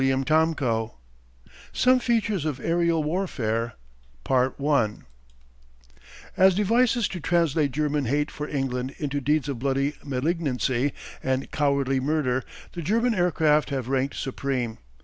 CHAPTER X SOME FEATURES OF AËRIAL WARFARE As devices to translate German hate for England into deeds of bloody malignancy and cowardly murder the German aircraft have ranked supreme.